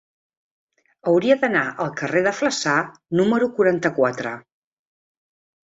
Hauria d'anar al carrer de Flaçà número quaranta-quatre.